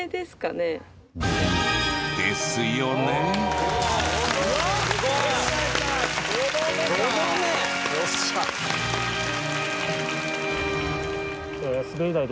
すごい。